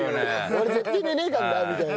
俺絶対寝ねえからなみたいな。